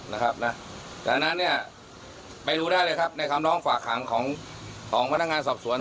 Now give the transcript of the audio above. ดังนั้นเนี่ยไปดูได้เลยครับในคำร้องฝากหางของของพนักงานสอบสวน